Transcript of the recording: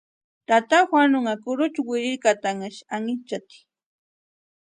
Tata Juanunha kurucha wirikatasï anhinchatʼi.